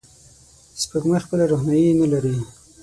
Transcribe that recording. سپوږمۍ خپله روښنایي نه لري